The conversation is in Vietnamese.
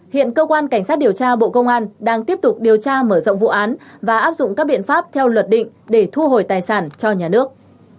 hiện cơ quan cảnh sát điều tra bộ công an đang tiếp tục điều tra mở rộng vụ án và áp dụng các biện pháp theo luật định để thu hồi tài sản cho nhà nước